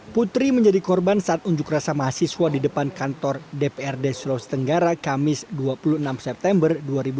putri menjadi korban saat unjuk rasa mahasiswa di depan kantor dprd sulawesi tenggara kamis dua puluh enam september dua ribu dua puluh